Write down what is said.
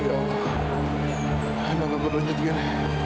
emang aku berlanjut gini